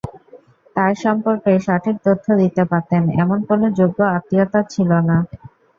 তাঁর সম্পর্কে সঠিক তথ্য দিতে পারতেন, এমন কোনো যোগ্য আত্মীয় তাঁর ছিল না।